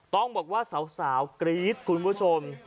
ต้องบอกว่าสาวกรี๊ดคุณผู้ชม